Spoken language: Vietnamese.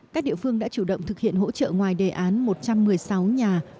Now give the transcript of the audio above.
các địa phương đã chủ động thực hiện hỗ trợ ngoài đề án một trăm một mươi sáu nhà